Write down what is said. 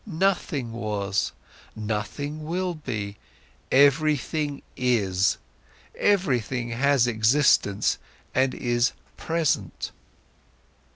Nothing was, nothing will be; everything is, everything has existence and is present."